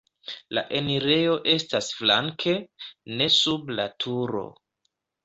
La enirejo estas flanke, ne sub la turo.